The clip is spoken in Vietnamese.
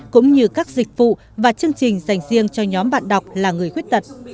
cũng như các dịch vụ và chương trình dành riêng cho nhóm bạn đọc là người khuyết tật